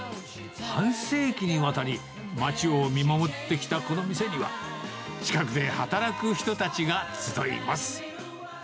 半世紀にわたり、町を見守ってきたこの店には、近くで働く人たちが集います。